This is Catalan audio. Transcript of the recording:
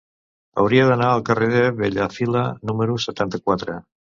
Hauria d'anar al carrer de Bellafila número setanta-quatre.